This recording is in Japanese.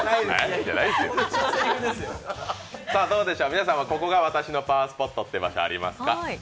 皆さんは、ここが私のパワースポットってありますか？